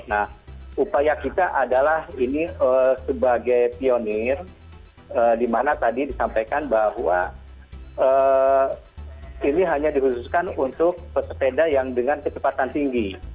nah upaya kita adalah ini sebagai pionir di mana tadi disampaikan bahwa ini hanya dikhususkan untuk pesepeda yang dengan kecepatan tinggi